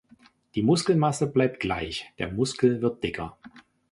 Die Muskelmasse bleibt gleich, der Muskel wird dicker.